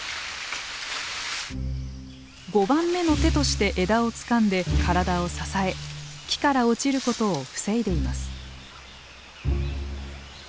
５番目の手として枝をつかんで体を支え木から落ちることを防いでいます。